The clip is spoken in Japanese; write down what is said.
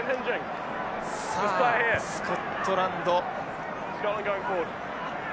さあスコットランド。